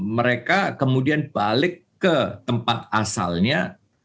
mereka kemudian balik ke tempat asalnya